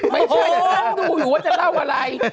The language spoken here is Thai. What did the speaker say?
ไม่ใช่นั่งดูอยู่ว่าจะเล่าอะไร